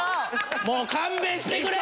もう勘弁してくれ！